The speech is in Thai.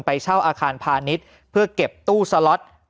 เช่าอาคารพาณิชย์เพื่อเก็บตู้สล็อต